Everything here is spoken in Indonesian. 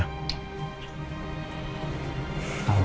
ketolak dulu ya